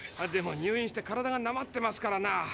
でも入院して体がなまってますからな。